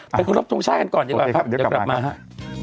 ไปครบช่องช่ายกันก่อนดีกว่าเดี๋ยวกลับมาครับ